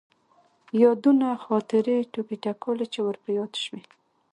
يادونه ،خاطرې، ټوکې تکالې چې ور په ياد شوي.